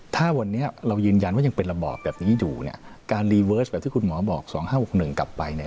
ถ้าวันนี้เรายืนยันว่ายังเป็นระบอบแบบนี้อยู่เนี้ยการแบบที่คุณหมอบอกสองห้าหกหนึ่งกลับไปเนี้ย